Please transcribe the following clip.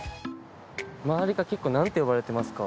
周りから結構何て呼ばれてますか？